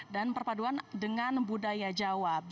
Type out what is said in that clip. dan perpaduan dengan budaya jawa